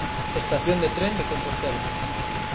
Estación de tren de Compostela.